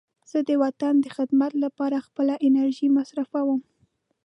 زه د وطن د خدمت لپاره خپله انرژي مصرفوم.